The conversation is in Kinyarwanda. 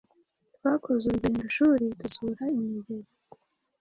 Twakoze urugendo shuri dusura imigezi,